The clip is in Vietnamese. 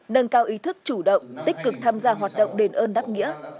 nâng cao ý thức chủ động tích cực tham gia hoạt động đền ơn đáp nghĩa